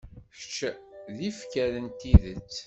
Kečč d ifker n tidet.